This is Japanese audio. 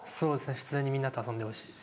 普通にみんなと遊んでほしいです。